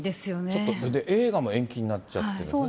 ちょっと映画も延期になっちゃってるんですよね。